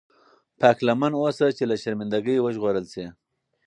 پاک لمن اوسه چې له شرمنده ګۍ وژغورل شې.